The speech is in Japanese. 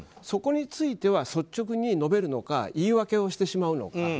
そこについては率直に述べるのか言い訳をしてしまうのか。